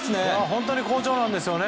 本当に好調なんですよね。